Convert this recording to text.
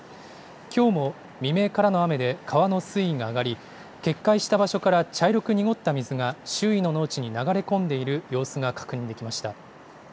きょうも未明からの雨で川の水位が上がり、決壊した場所から茶色く濁った水が周囲の農地に流れ込んでいる様子が確認できました。